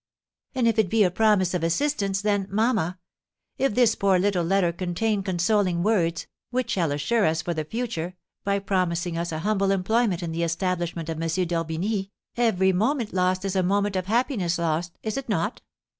"And if it be a promise of assistance, then, mamma If this poor little letter contain consoling words, which shall assure us for the future, by promising us a humble employment in the establishment of M. d'Orbigny, every moment lost is a moment of happiness lost, is it not?"